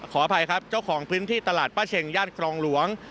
ขออภัยครับเจ้าของพื้นที่ตลาดป้าเช็งย่านครองหลวง